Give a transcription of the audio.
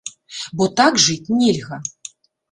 Бо так жыць нельга.